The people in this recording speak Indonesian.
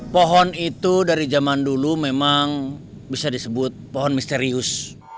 pohon itu dari zaman dulu memang bisa disebut pohon misterius